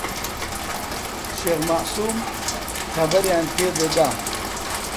شێخ مەعسووم خەبەریان پێدەدا.